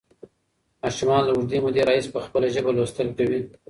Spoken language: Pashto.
ماشومان له اوږدې مودې راهیسې په خپله ژبه لوستل کوي.